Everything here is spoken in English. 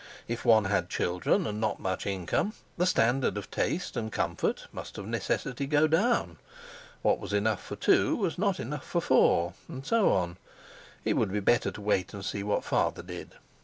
If one had children and not much income, the standard of taste and comfort must of necessity go down; what was enough for two was not enough for four, and so on—it would be better to wait and see what Father did.